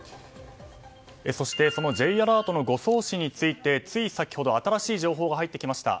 そして、そのＪアラートの誤送信についてつい先ほど新しい情報が入ってきました。